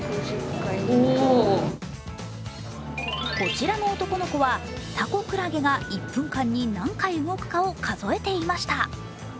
こちらの男の子は、タコクラゲが１分間に何回動くかを数えていました。